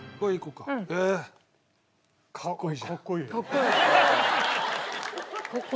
かっこいい。